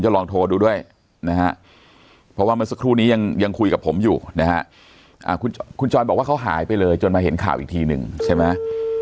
จริงคือนี้ยังคุยกับผมอยู่คุณจอย์บอกว่าเขาหายไปเลยจนมาเห็นข่าวอีกทีหนึ่งใช่มั้ย